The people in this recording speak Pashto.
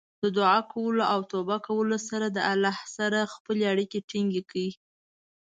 د دعا کولو او توبه کولو سره د الله سره خپلې اړیکې ټینګې کړئ.